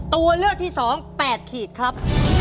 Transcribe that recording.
ตัวเลือกที่๒๘ขีดครับ